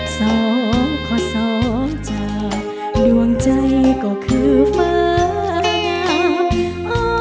ซ้อมขอซ้อมจ้าร่วงใจก็คือฟ้า